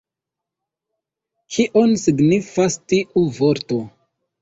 Kion signifas tiu vorto?